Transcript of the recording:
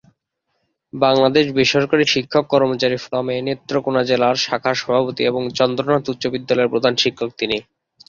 বাংলাদেশ বেসরকারি শিক্ষক কর্মচারী ফোরামে নেত্রকোণা জেলা শাখার সভাপতি এবং চন্দ্রনাথ উচ্চ বিদ্যালয়ের প্রধান শিক্ষক তিনি।